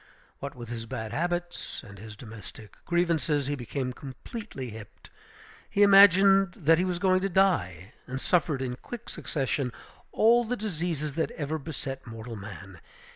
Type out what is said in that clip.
What with his bad habits and his domestic grievances, he became completely hipped. He imagined that he was going to die; and suffered in quick succession all the diseases that ever beset mortal man.